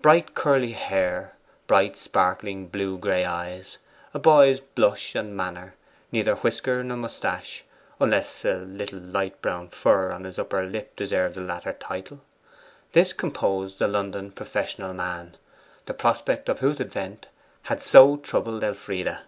Bright curly hair; bright sparkling blue gray eyes; a boy's blush and manner; neither whisker nor moustache, unless a little light brown fur on his upper lip deserved the latter title: this composed the London professional man, the prospect of whose advent had so troubled Elfride.